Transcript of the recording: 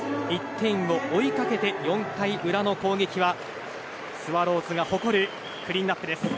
１点を追いかけて４回裏の攻撃はスワローズが誇るクリーンアップです。